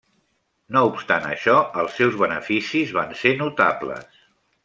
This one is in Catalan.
No obstant això, els seus beneficis van ser notables.